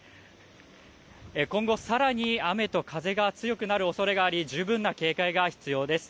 今後、さらに雨と風が強くなるおそれがあり、十分な警戒が必要です。